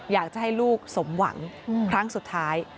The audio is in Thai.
อยากจะให้ลูกสมหวังครั้งสุดท้าย